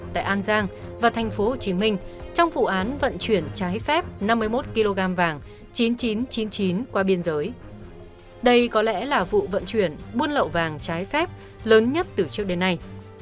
thì có lẽ là vụ vận chuyển buôn lậu vàng trái phép lớn nhất từ trước đến nay